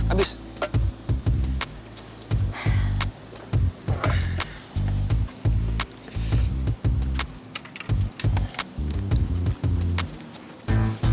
lo harus banyak minum susu